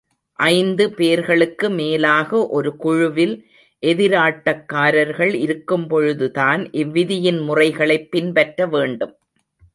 ஐந்து பேர்களுக்கு மேலாக ஒரு குழுவில் எதிராட்டக்காரர்கள் இருக்கும்பொழுதுதான் இவ்விதியின் முறைகளைப் பின்பற்ற வேண்டும்.